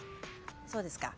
そうですか。